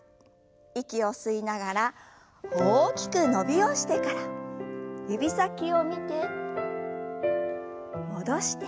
息を吸いながら大きく伸びをしてから指先を見て戻して。